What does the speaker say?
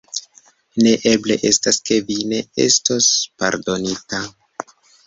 Ne eble estas, ke vi ne estos pardonita.